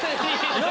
何？